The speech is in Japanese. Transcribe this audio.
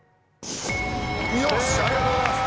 よしありがとうございます！